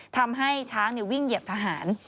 ทำให้ช้างวิ่งเหยียบทหาร